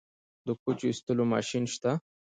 د کوچو ایستلو ماشین شته؟